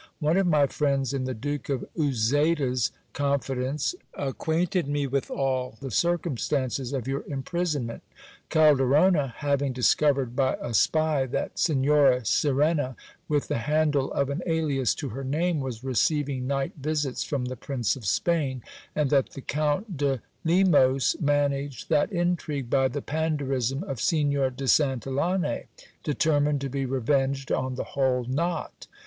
One of my friends in the Duke of Uzeda's confidence acquainted me with all the cir cumstances of your imprisonment. Calderona, having discovered by a spy that Signora Sirena, with the handle of an alias to her name, was receiving night visits from the Prince of Spain, and that the Count de Lemos managed that intrigue by the panderism of Signor de Santillane, determined to be revenged on the whole knot.